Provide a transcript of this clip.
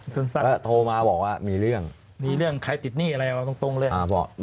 โทรมาบอกว่ามีเรื่องมีเรื่องใครติดหนี้อะไรตรงเลย